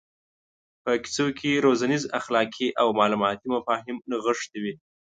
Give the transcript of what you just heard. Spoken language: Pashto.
په کیسو کې روزنیز اخلاقي او معلوماتي مفاهیم نغښتي وي.